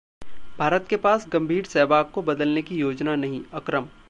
भारत के पास गंभीर-सहवाग को बदलने की योजना नहीं: अकरम